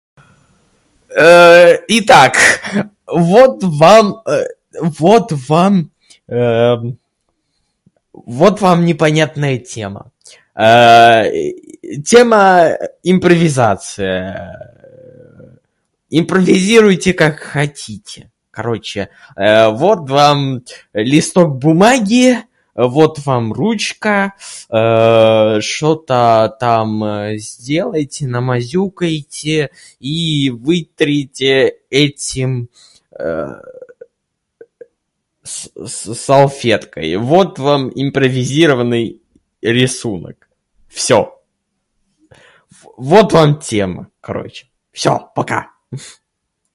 [disfluency|Э-э-э], и так, вот вам, [disfluency|э], вот вам [disfluency|э-эм]... Вот вам непонятная тема. [disfluency|А-а-э-э], тема - импровизация, [disfluency|э-э-э], импровизируйте как хотите. Короче, [disfluency|э], вот вам листок бумаги. Вот вам ручка. [disfluency|Э-э-э], шо-то там сделайте, намазюкайте и вытрите этим [disfluency|э-э-э], с с салфеткой. Вот вам импровизированный рисунок. Всё. В- Вот вам тема, короче. Всё, пока!